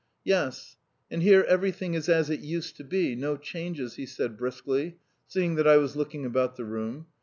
"Yes. And here everything is as it used to be no changes," he said briskly, seeing that I was looking about the room.